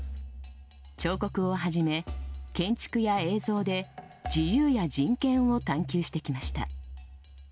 彫刻をはじめ建築や映像で自由や人権を探求してきました。